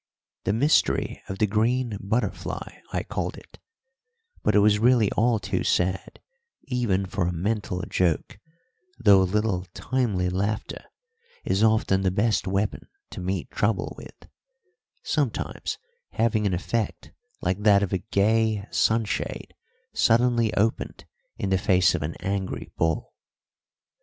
"The mystery of the green butterfly," I called it; but it was really all too sad even for a mental joke, though a little timely laughter is often the best weapon to meet trouble with, sometimes having an effect like that of a gay sunshade suddenly opened in the face of an angry bull.